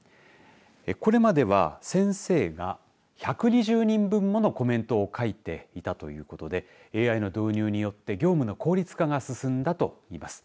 これまでは先生が１２０人分ものコメントを書いていたということでＡＩの導入によって業務の効率化が進んだといいます。